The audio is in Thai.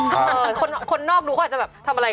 คนนอกดูก็อาจจะแบบทำอะไรกัน